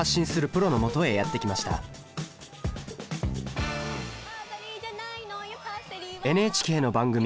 プロのもとへやって来ましたＮＨＫの番組